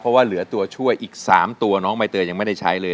เพราะว่าเหลือตัวช่วยอีก๓ตัวน้องใบเตยยังไม่ได้ใช้เลย